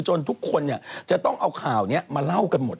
ทุกคนเนี่ยจะต้องเอาข่าวนี้มาเล่ากันหมด